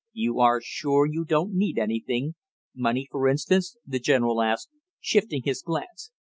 "You are sure you don't need anything money, for instance?" the general asked, shifting his glance.